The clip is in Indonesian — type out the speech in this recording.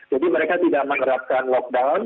jadi mereka tidak menerapkan lockdown